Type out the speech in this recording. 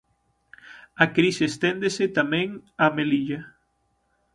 A crise esténdese tamén a Melilla.